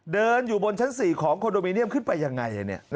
เดินอยู่บนชั้น๔ของคอนโดมิเนียมขึ้นไปยังไง